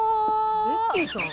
ベッキーさん？